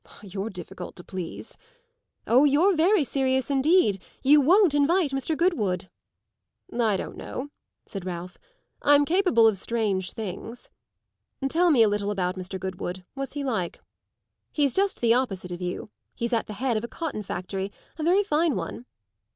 "You're difficult to please." "Oh, you're very serious indeed. You won't invite Mr. Goodwood." "I don't know," said Ralph. "I'm capable of strange things. Tell me a little about Mr. Goodwood. What's he like?" "He's just the opposite of you. He's at the head of a cotton factory; a very fine one."